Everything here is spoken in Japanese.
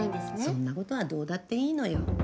そんなことはどうだっていいのよ。